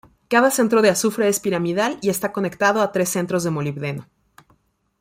Cada centro de azufre es piramidal, y está conectado a tres centros de molibdeno.